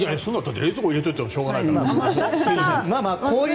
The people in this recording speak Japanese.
冷蔵庫に入れててもしょうがないから。